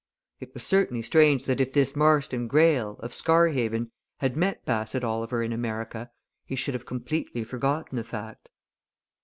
It was certainly strange that if this Marston Greyle, of Scarhaven, had met Bassett Oliver in America he should have completely forgotten the fact.